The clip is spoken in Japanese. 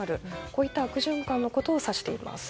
こういった悪循環のことを指しています。